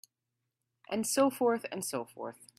And so forth and so forth.